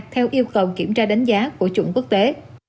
theo yêu cầu kiểm tra đánh giá của chuẩn quốc tế